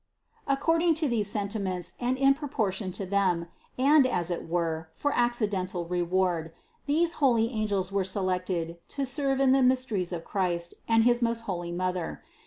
Accord 172 CITY OP GOD ing to these sentiments and in proportion to them, and as it were for accidental reward, these holy angels were selected to serve in the mysteries of Christ and his most holy Mother.